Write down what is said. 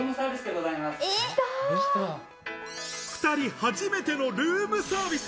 ２人初めてのルームサービス。